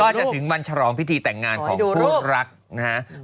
ก็จะถึงวันฉรองพิธีแต่งงานของผู้รักนะฮะดูลูก